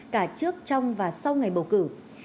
cả trước trong và sau ngày bầu cử